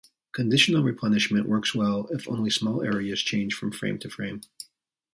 Conditional replenishment works well if only small areas change from frame to frame.